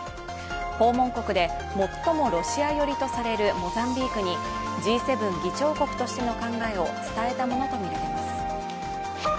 訪問国で最もロシア寄りとされるモザンビークにＧ７議長国としての考えを伝えたものとみられます。